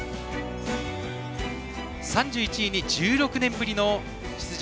３１位に１６年ぶりの出場